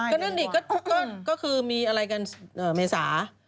ก็นั่นดิก็คือมีอะไรกันเมษา